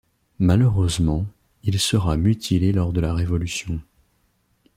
Malheureusement, il sera mutilé lors de la Révolution.